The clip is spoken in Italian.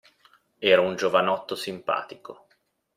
Era un giovanotto simpatico.